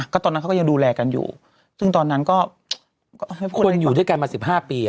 ก็ตอนนั้นเขาก็ยังดูแลกันอยู่ซึ่งตอนนั้นก็คนอยู่ด้วยกันมาสิบห้าปี